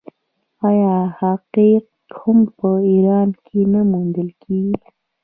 آیا عقیق هم په ایران کې نه موندل کیږي؟